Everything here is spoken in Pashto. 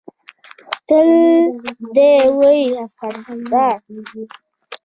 تل دې وي افغانستان.